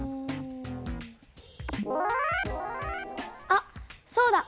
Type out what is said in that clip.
あっそうだ。